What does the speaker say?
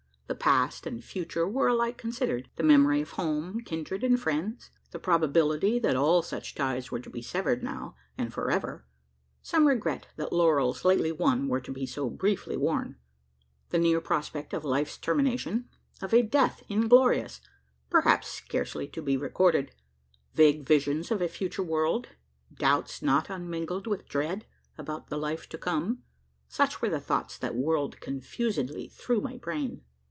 The past and future were alike considered. The memory of home, kindred, and friends; the probability that all such ties were to be severed now and for ever; some regret that laurels lately won were to be so briefly worn; the near prospect of life's termination; of a death inglorious perhaps scarcely to be recorded; vague visions of a future world; doubts not unmingled with dread, about the life to come: such were the thoughts that whirled confusedly through my brain.